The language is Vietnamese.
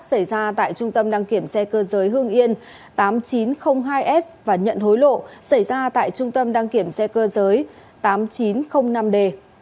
xảy ra tại trung tâm đăng kiểm xe cơ giới hương yên tám nghìn chín trăm linh hai s và nhận hối lộ xảy ra tại trung tâm đăng kiểm xe cơ giới tám nghìn chín trăm linh năm d